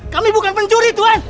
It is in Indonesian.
kami bukan pencuri tuhan